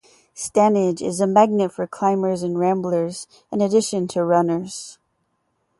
Stanage is a magnet for climbers and ramblers in addition to runners.